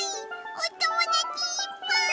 おともだちいっぱい！